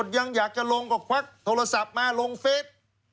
ยังอยากจะลงก็ควักโทรศัพท์มาลงเฟส